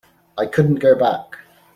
I couldn't go back.